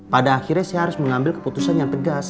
pada akhirnya saya harus mengambil keputusan yang tegas